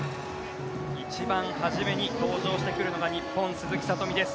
一番初めに登場してくるのが日本、鈴木聡美です。